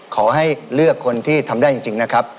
ขอให้เลือกคนที่ทำได้จริงนะครับ